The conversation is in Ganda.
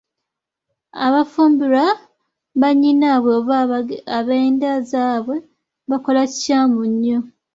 Abafumbirwa bannyinaabwe oba ab’enda zaabwe bakola kikyamu nnyo.